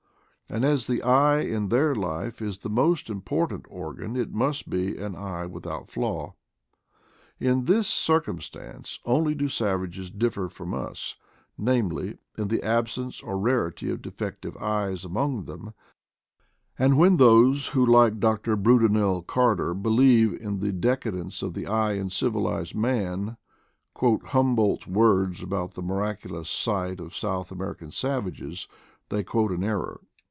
And as the eye in their life is the most important organ, it must be an eye with out flaw. In this circumstance only do savages differ from us— namely, in the absence or rarity of defective eyes among them; and when those who, like Dr. Brudenell Carter, believe in the de cadence of the eye in civilized man quote Hum boldt's words about the miraculous sight of South American savages, they quote an error.